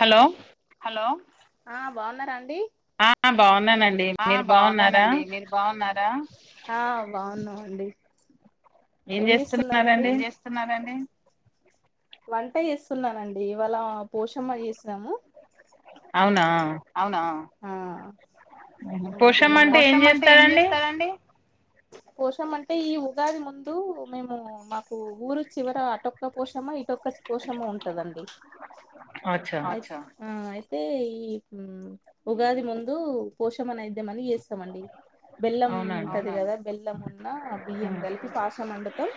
Hello ఆ బాగున్నారా అండి ఆ బా ఆ బాగున్నానండి మీరు బాగున్నార అ బాగున్నామండి ఏం చేస్తునరండి వంట చేేసున్ననండి ఇవాళ పోషమ్మకు చేసినాము ఔన ఔన పోషమ్మ అంటే ఏం చేస్తరండి పోషమ్మ అంటే ఈ ఉగాది ముందు మేము మాకు ఊర్ చివర అటొక్క పోషమ్మ ఇటొక్క పోషమ్మ ఉంటదండి ఆ అయితే ఈ ఉగాది ముందు పోషమ్మ నయ్ నే మళ్ళీ చేస్తమండి బెల్లం ఉంటది గద బెల్లం ఉన్న బియ్యం గలిపి పాశం ఓండుతం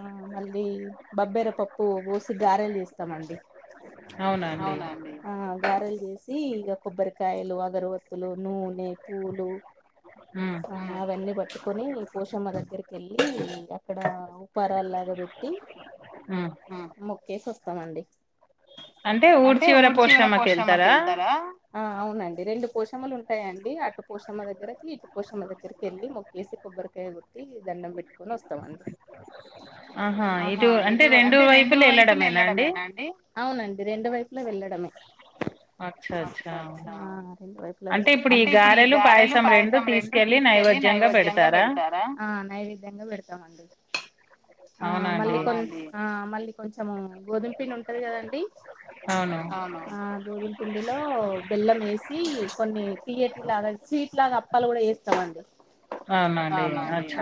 ఉ మళ్ళీ బబ్బేర పప్పు వొసి గారెలు చేస్తమండి ఔన అండి గారెలు చేసి ఇగ కొబ్బరికాయలు అగరోత్తులు నూనె పూలు ఆ అవన్నీ పట్టుకొని పోషమ్మ దగ్గరికి ఏళ్ళి అక్కడ ఉప్పరలాగ పెట్టి మొక్కేసి ఒస్తమండి అంటే ఉడ్ చివర పొ చివర పోషమ్మక్ ఏళ్తర రెండు పొషమ్మలు ఉంటయండి అటు పొషమ్మ దగ్గరకి ఇటు పోషమ్మ దగ్గరకి ఏళ్లి మొక్కేసి కొబ్బరికాయ కొట్టి దండం బెట్కొని ఒస్తమండి ఆహా ఎటు అంటే రెండు వైపులు ఏళ్ళడమేన అండి ఔనండి రెండు వైపుల వెళ్లడమే అంటే ఇప్పుడు ఈ గారెలు పాయసం రెండు తిస్కెల్లి నైవేద్యంగ పెడతార ఆ మళ్ళీ కొన్ ఆ మళ్ళీ కొంచెము గోధుమ పిండి ఉంటది కదండి ఆ గొధుమ పిండిలో బెల్లం ఏసి కొన్ని తియటి లాగ స్వీట్ లాగ అప్పాలు గుడ ఏ స్తామండి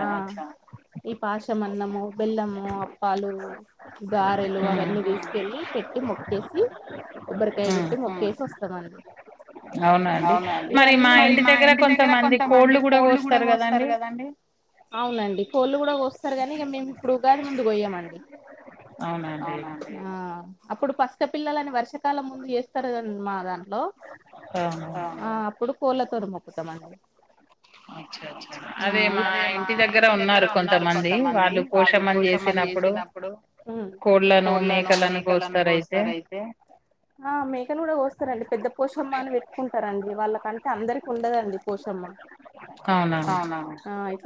ఆ కొంచెము అన్నము బెల్లము అప్పాలు గారెలు అవన్నీ తిసుకెళ్ళి పెట్టి మొక్కేసి కొబ్బరికాయ కొట్టి మొక్కేసి ఒస్తమండి ఔనఅండి మరి మా ఇంటి దగ్గర కొంతమంది కోళ్లు గుడ కొస్తరు కదండి ఔనండి కోలు కొళ్లు కొస్తర్ గని ఇగ మేమ్ ఇప్పుడు ఉగాది ముందు కొయమండి అప్పుడు పస్కపిల్లలని వర్షకాలం ముందు ఏస్తర్ క మా దాన్ హలో ఆ అప్పుడు కోళ్ళతొన్ మొక్కుతం అం [inaudible] అదే మా ఇంటి దగ్గర ఉన్నారు కొంతమంది వాళ్ళు పోషమ్మ ని జెసిన అప్పుడు కోళ్లను మేకలను కొస్తరయితే ఆ మేకన్ గుడ కొస్తరండి పెద్ద పోషమ్మ అని వెట్కుంటరండి వాళ్ళ కం అందరికి ఉండదండి పొశమ్మ ఆ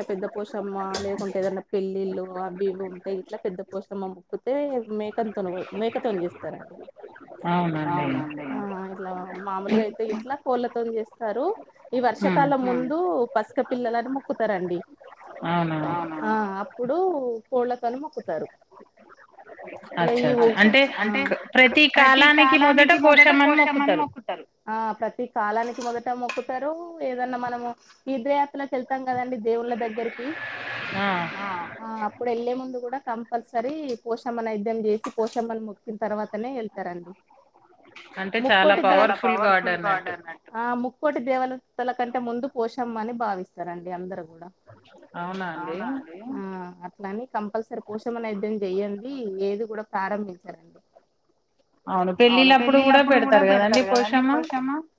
పెద్ద పొశమ్మ లేకుంటే ఏదన్న పెళ్లిళ్ళు అవి ఇవి ఉంటయ్ ఇట్ల పెద్ద పొశమ్మ మోక్కుతె మేకన్తొన్ మేక జెస్తరండి ఔనండి ఈ వర్షకాలం ముందు పస్క పిల్లలని మొక్కుతరండి అవును అప్పుడు కొళ్లతొని మొక్కుతరు అచ్చచ్చ అంటే క్ ప్రతి కాలానికి మొదట పొశమ్మని మొక్కుతరు అ ప్రతి కా దనికి మొదట మొక్కుతరు ఏదన్న మనము తిద్రయ లోపలకి వెళ్తాం కదండి దేవుళ్ళ దగ్గరికి అప్పుడు వెళ్ళే ముందు కూడా కంపల్సరీ పోషమ్మ నైద్యం చేసి పోషమ్మను మొక్కిన తర్వాతనే వెళ్తారండి అ ముక్కోటి దే ఆ ముక్కోటి దేవతల కంటే ముందు పోషమ్మని భావిస్తారండి అందరు కూడా అవున అండి అట్లని కంపల్సరీ పోషమ్మ నైద్యం చెయ్యంది ఇది కూడ పర్ పంపించారండి అవును పెళ్ళిళ్ళప్పుడు కూడా పెడుతారు కదండి పోషమ్మ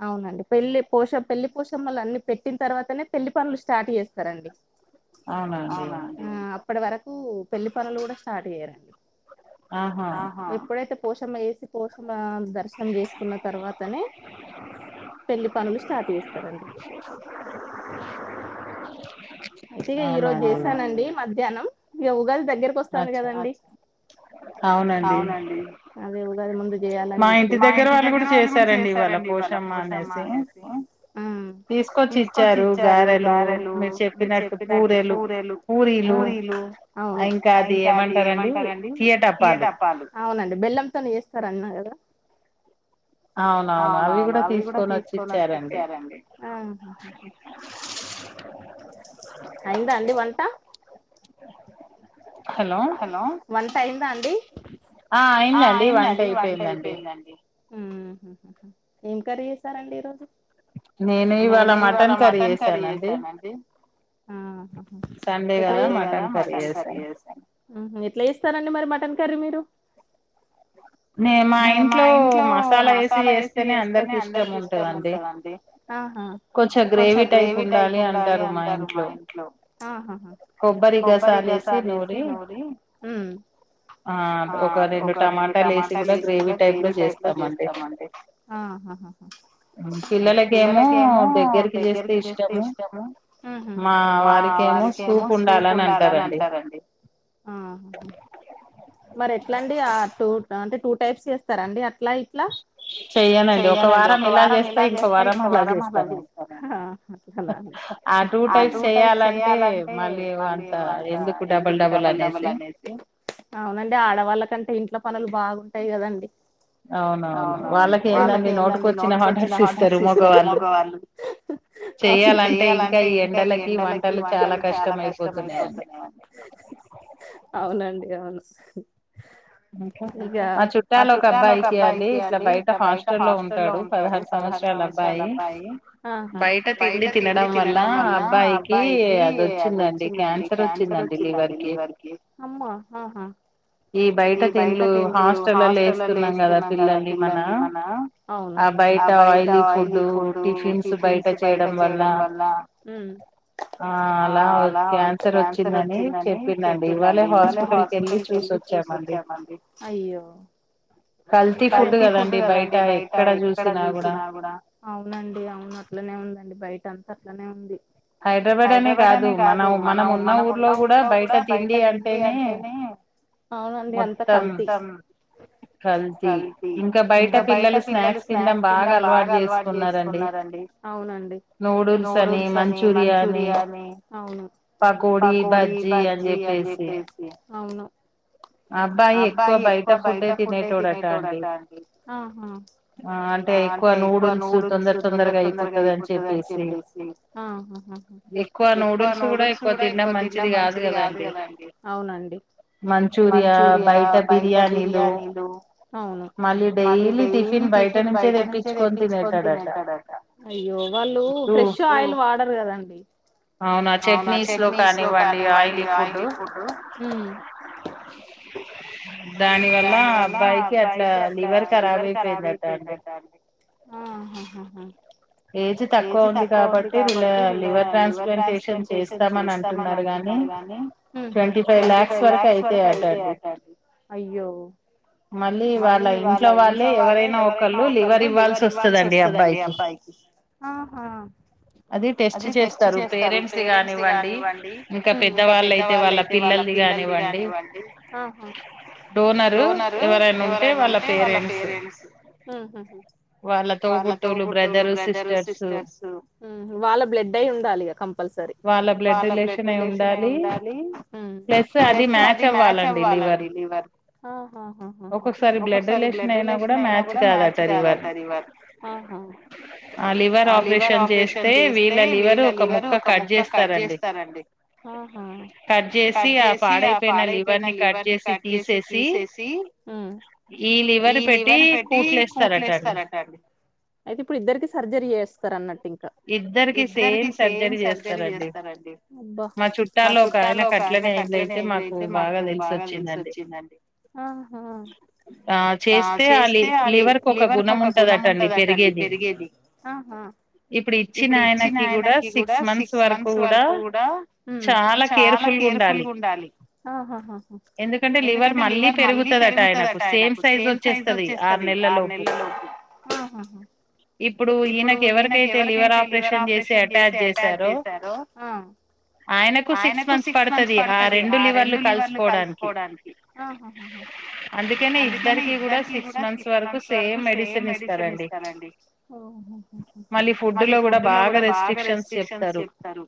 అవునండి పెళ్లి పోష పెళ్లి పోషమ్మల అన్ని పెట్టిన తర్వాతనే పెళ్లి పనులు స్టార్ట్ చేస్తారండి అవునండీ అ అప్పటి వరకు పెళ్లి పనులు కూడ స్టార్ట్ చెయ్యరాండి ఆహా ఎప్పుడైతే పోషమ్మ చేసి పోషమ్మా దర్శనం చేసుకున్న తర్వాతనే పెళ్లి పనులు స్టార్ట్ చేస్తారండి అయితే ఈరోజు చేసానండి మధ్యాహ్నం ఈగ ఉగాది దగ్గరికోస్తాంది కదండి అవునండి ఉగాది ముందు చేయాలని చెప్పి మ ఇంటి దగ్గర వాళ్ళు కూడ చేసారండి ఇవ్వాళ పోశమ్మ అనేసి మ్ అ తీసుకొచ్చి ఇచ్చారు గారెలు మీరు చెప్పినట్టు బూరెలు పూరీ లు అవును ఇంకా అది ఏమంటారండీ తీయటప్పాలు అవునండి బెల్ ల్లంతోని చేస్తారు అన్న కదా ఆ అవునవును అవి కూడా తీసుకొనోచ్చిచ్చారండి అయిందా అండి వంట హలో వంటైదా అండి ఆ అయిందండి వంట అయిపోయిందండి మ్ హు హు ఏం కర్రీ చేసారండి ఈ రోజు నేనే ఇవాళ మటన్ కర్రీ చేసానండి ఆహా ఎట్ల చేస్ సండే కదా మటన్ కర్రీ చేశాను మ్ హు ఎట్లా చేస్తారండి మరి మటన్ కర్రీ మీరు నమే మా ఇంట్లో మసాలా ఏసి చేస్తానే అందరికి ఇష్టముంటదండి అహ కొంచెం గ్రేవీ టైప్ ఉండాలి అంటారు మా ఇంట్లో అహ హా కొబ్బరి గసలేసీ నూర్ ది మ్ ఆ ఒక రెండు టమాటాలేసి కూడా గ్రేవీ టైప్ లో చేస్తామండి అ హ హ పిల్లలకేమో దగ్గరకి చేస్తే ఇష్టము మా వాడికేమొ సూప్ ఉండాలని అంటాదండి అ హా హా మరి ఎట్లా అండి ఆ టూ న అంటే టూ టైప్స్ చేస్తారాండి అట్లా ఇట్లా చెయ్యనండి ఒక వారం ఇలా చేస్తా ఇంకో వారం అలా చేస్తానండీ అట్లనా అండి ఆ టూ టైప్స్ చెయాలంటే మళ్ళీ వంట ఎందుకు డబల్ డబల్ అనేసి అవునండి ఆడవాళ్ళకంటే ఇంట్ల పనులు బాగుంటాయి కదండీ అవునవును వాళ్ళకేందండి నోటికోచ్చిన హార్డర్స్ ఇస్తారు మగవాళ్ళు అవును చెయ్యాలంటే ఇంకా ఈ ఎండలకి వంటలు చాలా కష్టమైపోతున్నాయండి అవునండి అవును ఇవ మ చుట్టలో ఒక అబ్బాయికి అండి ఇట్లా బయట హాస్టల్ లో ఉంటాడు పదహర్ సంవత్సరల అబ్బాయి అ హ బయట తిండి తినడం వల్ల అబ్బాయికి అదొచ్చిందండి క్యాన్సర్ వచ్చిందండి లివర్ కి ఈ బయట తిండ్లు హాస్టలల్లో వేస్తున్నాం కదా పిల్లల్ని మన ఆ బయట ఆయిలీ ఫుడ్డు టిఫిన్స్ బయట చేయడం వల్ల మ్ ఆ అలా క్యాన్సర్ వచ్చిందని చెప్పిండండి ఇవాలె హాస్పిటల్ కెళ్ళి చూసోచ్చామండి కల్తీ ఫుడ్ కదండి బయట ఎక్కడ చూసినా కూడా అట్లనే ఉందండి బయటంతా అట్లనే ఉంది హైదరాబాడ్ అనే కాదు మనం మనం ఉన్న ఊ ర్లో కూడా బయట తిండి అంటేనే మొత్తం కల్తీ ఇంకా బయట పిల్లలు స్నాక్స్ తిండం బాగా అలవాటు చేసుకున్నారండి నూడుల్స్ అని మంచూరియా అని పకోడి బజ్జి బజ్జీ అని చెప్పేసి అవును అబ్బాయి ఎక్కువ బయట ఫుడ్డే తినేటోడట అండి ఆ అంటే ఎక్కువ నూడుల్స్ తొందర తొందరగా అయిపోతదని చెప్పేసి ఎక్కువ నూడుల్స్ కూడా ఎక్కువ తిండం మంచిది కాదు కదాండి మంచ్ మంచూరియ బయట బిర్యనీ లు మల్లి డైలీ టిఫిన్ బయటనే అయ్యో వాళ్ళు ఫ్రెష్ ఆయిల్ వాడరు కదండి అవునా చట్నీస్ లో కానివ్వండి ఆయిలీ ఫుడ్డు దాని వల్ల అబ్బాయికి అట్లా లివర్ కరాబ్ అయిపోయిందట అండి ఆహా హా ఏజి తక్కువ ఉంది కాబట్టి రిల లివర్ ట్రాన్స్ప్లాంటేషన్ చేస్తామని అం టున్నారు గాని ట్వంటీ ఫైవ్ ల్యాక్స్ వరకు అయితయ అయ్యో మళ్ళీ వాళ్ళ ఇంట్లో వాళ్ళే ఎవరైనా ఒక్కళ్ళు లివర్ ఇవ్వాల్సి వస్తదండి అబ్బాయికి ఆహా అది టెస్ట్ చేస్తారు పేరెంట్స ది కానివ్వండి ఇంకా పెద్దవాళ్ళయితే వాళ్ళ పిల్లల్ది కానివ్వండి డోనరు ఎవరైనుంటె వాళ్ళ పేరెంట్స్ వాల్ల తోబుట్టువులు బ్ర మ్ వాల్ల బ్లడ్ అయి ఉండాలి ఇగ కంపల్సరి నై ఉండాలి ప్లస్ అది మ్యాచ్ అవ్ వ్వాలండి లివర్ ఒక్కోసారి బ్లడ్ రిలేషన్ అయినా కూడా మ్యాచ్ కాద అంట రివర్ ఆ లివర్ ఆపరేషన్ చేస్తే వీళ్ళ లివర్ ఒక ముక్క కట్ చేస్తారండి కట్ చేసి ఆ పాడై పోయిన లివర్ ని కట్ చేసి తీసేసి ఈ లివర్ పెట్టి కూట్లేస్థారటండి సర్జరీ చేస్తారన్నట్టింకా ఇద్దరికి సేమ్ సర్జరీ చేస్తారండి మా చుట్టాల్లొ ఒక ఆయనకి అట్లనే అయిందయితే మాకు బాగా తెలిసొచ్చిందండి ఆ చేస్తే ఆ లి లివర్ ఒక గుణం ఉంటదటండి పెరిగేది [unintelligible] ఆహా. ఇప్పుడిచ్చిన ఆయనకి గూడా సిక్స్ మంత్స్ వర్కు గూడా ఊమ్ చాలా కేర్ఫుల్గుండాలి ఆహ. ఆహ ఎందుకంటె లివర్ మళ్లీ పెరుగుతదట ఆయనకు సేమ్ సైజొచ్చేస్తది ఆర్ నెల్ ల్ల లోపు ఆహహ. ఇప్పుడూ ఈయనకి ఎవరికైతె లివరాప్రేషన్ జేసి అటాచ్ జేసారో అ ఆయనకు సిక్స్ మంత్స్ పడుతది ఆ రెండు లివర్లు కలుసుకోడానికి అందుకెనే ఇద్దరికి కూడా సిక్స్ మంత్స్ వరకు సేమ్ మెడిసిన్ ఇస్తారండి మళ్ళీ ఫుడ్ లో కూడా బాగా రెస్ట్రిక్షన్స్ చెప్తారు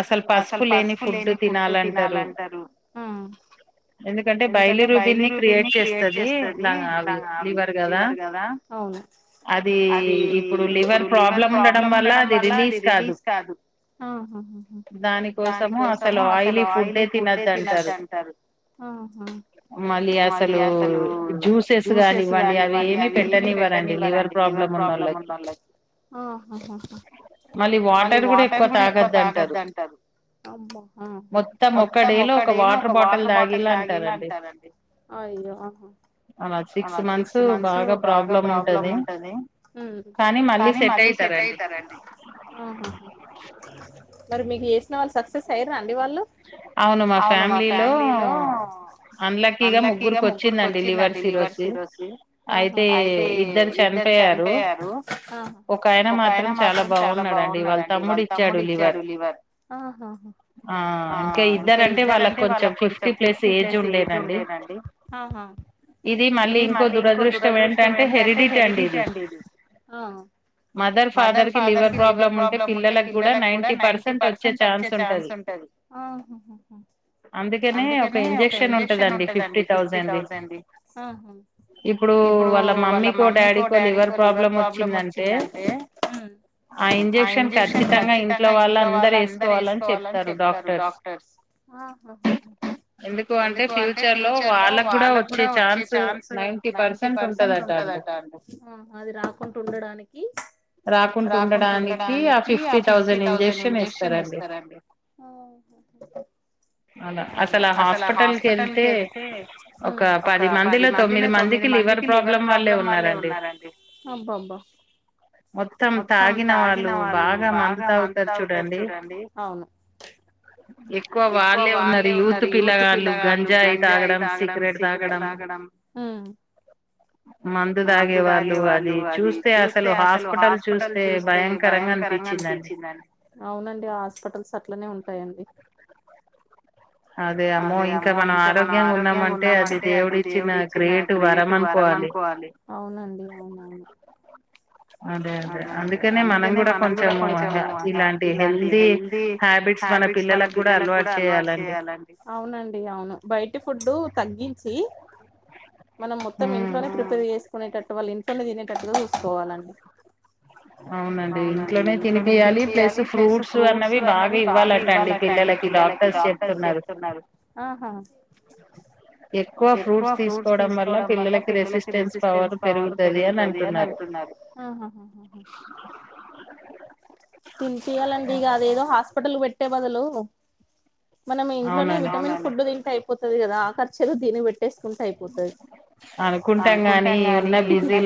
అసలు పసుపు లేని ఫుడ్ తినాల తినాలంటరు ఎందుకంటేటె బైలీ రుబీర్ని క్రియేట్ చేస్తదీ దా అవి లివర్ గదా అ ఔను. అదీ ఇప్పుడు లివర్ ప్రాబ్లం ఉండడం వల్లా అది రిలీస్ కాదు. ఆహా దాని కోసమూ అసలూ ఆయ్లీ ఫుడ్డే తినద్దంటారు. ఆహ. మళ్ళీ అసలూ జ్యూసెస్ గానివ్వండి అవి ఏమి పెట్ [unintelligible] నివ్వరండి లివర్ ప్రాబ్లమున్నోళ్ళకి ఆహహహ మళ్ళి వాటర్ గూడా ఎక్కువ తాగద్దంటారు అబ్బ అ అ మొత్తం ఒకడేలో ఒక వాటర్ బాటిల్ దాగీల్లా అంటారండి అయ్యొ ఆహ. [unintelligible] సిక్స్ మంత్సు బాగా ప్రా బ్లముంటది ఊమ్ కానీ మళ్ళీ సెట్టైతరండి. ఆహహ మరి మీకేసిన వాళ్ళు సక్సెస్సైరా అండి వాళ్ళు. ఔను మా ఫ్యామ్లీలో అన్లక్కీగా ముగ్గుర్కొచ్చిందండి లివర్ సిరోసి ఆహ ఐతే ఇద్దర్ చన్పేయారు ఆహహ ఒకాయన మాత్రం చాలా బాగున్నాడండి వాళ్ తమ్ముడిచ్చాడు లి వర్ ఆహ. ఊమ్ ఆ ఇంక ఇద్దరంటె వాళ్ళక్ కొంచెం ఫిఫ్టీ ప్లస్ ఏజుండేనండి ఆహ. ఇదీ మళ్ళీ ఇంకో దురదృష్టం ఏంటంటే హెరిడిటీ అండి ఇది ఆ మదర్ ఫాదర్కి లివర్ ప్రాబ్లముంటె పిల్లలక్ గూడా నైన్టీ పర్సెంటొచ్చె ఛాన్సుంటది ఆహహ అందుకెనే ఒక ఇంజెక్షనుంటదండి ఫిఫ్టీ థౌజండ్ది ఆహ. ఇప్పుడూ వాళ్ళ మమ్మీకో డాడీకో లివర్ ప్రాబ్లమొచ్చిందంటే ఉమ్ ఆ ఇంజెక్షన్ ఖచ్చితంగ ఇంట్లో వాళ్ళందర్ యేస్కోవాలన్ తరు డాక్టర్స్ ఆహహ ఎందుకూ అంటె ఫ్యూచర్లొ వాళ్ళక్ గుడా వచ్చే ఛాన్సు నైన్టీ పర్సెంటుంటద [unintelligible] ఆ అది రాకుంటుండడానికి రాకుంటుండడానికీ ఆ ఫిఫ్టీ థౌజండ్ ఇంజెక్షనేస్తరండి. ఔ [unintelligible] అల అసలా హాస్పిటల్కెళ్తే ఒక పది మందిలో తొమ్మిది మందికి లివర్ ప్రాబ్లం వాళ్ళే ఉన్నారండి అబ్బబ్బ. మొత్తం తాగిన వాళ్ళు బాగా మందు తాగుతార్ చూడండి. ఎక్కువ వాళ్ళే ఉన్నరు యూత్ పిల్లగాళ్ళు గంజాయి తాగడం సిక్రెట్ తాగడం. నం ఊమ్. మందు దాగే వాళ్ళు అది చూస్తే అసలు హాస్పెటల్ చూస్తే భయం వికారంగా అనిపిచ్చిందా అండి ఔనండీ ఆ హాస్పెటల్సట్లనే ఉంటాయండి. అదే అమ్మో ఇంక మనం ఆరోగ్యంగున్నామంటె అది దేవుడిచ్చిన గ్రేటు వ వరమనుకోవాలి ఔనండీ ఔను ఔను. అదే అదే అందుకనే మనం కూడా కొంచము ఇలాంటి హెల్తీ హ్యాబిట్స్ హబిట్స్ మన పిల్లలక్ కూడా అలవాటు చేయాలండి అవునండి అవును బయటి ఫుడ్ తగ్గించి మనం మొత్తం ఇంట్లోనే ప్రిపేర్ చేసుకునేటట్టు వాళ్ళు ఇంట్లోనే తినేటట్టుగా చూసుకోవాలండి అవునండి ఇంట్లోనే తినిపియాలి ప్లస్ ఫ్రూట్స్ అన్న [unintelligible] బాగా ఇవ్వాలంట అండి పిల్లలకి డాక్టర్స్ చెప్తున్నారు ఆ. ఎక్కువ ఫ్రూట్స్ తీస్కొడం వల్ల పిల్లలకి రెసిస్టెన్స్ పవర్ పెరుగుతది అని అంటున్నారు. [unintelligible] న్నారు ఆహ హ హ హ. తినపియలండి ఇగా అదేదో హాస్పిటల్కి పెట్టే బదులు మనం ఇంట్లోనే విటమిన్ ఫుడ్ తింటే అయిపోతది గదా ఆ ఖర్చుఎదో దినికి పెట్టేస్కుంటే అయిపోతది అనుకుంటాం గానీ ఉన్నా బిజీలా